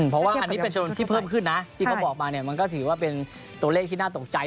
เพราะว่าอันนี้เป็นจำนวนที่เพิ่มขึ้นนะที่เขาบอกมาเนี่ยมันก็ถือว่าเป็นตัวเลขที่น่าตกใจ